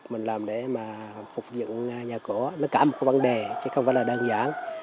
mình làm để mà phục dựng nhà cổ nó cả một cái vấn đề chứ không phải là đơn giản